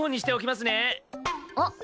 あっ！